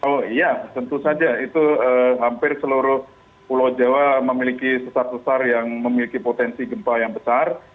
oh iya tentu saja itu hampir seluruh pulau jawa memiliki sesar sesar yang memiliki potensi gempa yang besar